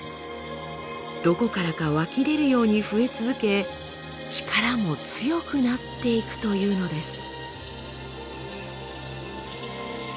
どこからか湧き出るように増え続け力も強くなっていくというのです。